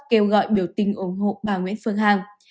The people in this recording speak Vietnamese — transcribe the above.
kêu gọi biểu tình ủng hộ bà nguyễn phương hằng